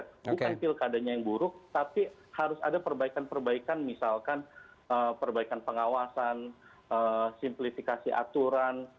bukan pilkadanya yang buruk tapi harus ada perbaikan perbaikan misalkan perbaikan pengawasan simplifikasi aturan